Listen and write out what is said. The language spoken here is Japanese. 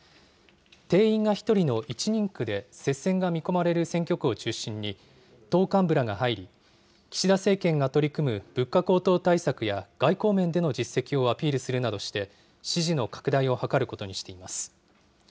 定員が１人の１人区で接戦が見込まれる選挙区を中心に、党幹部らが入り、岸田政権が取り組む物価高騰対策や外交面での実績をアピールするなどして、支持の拡大を図ることにしています。